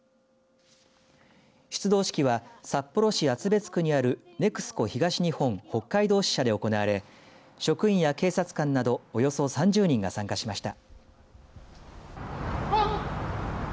出動式は札幌市厚別区にあるＮＥＸＣＯ東日本北海道支社で行われ職員や警察官などおよそ３０人が参加しました。